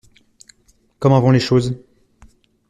Comment vont les choses ?